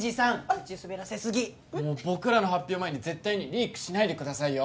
口滑らせすぎ僕らの発表前に絶対にリークしないでくださいよ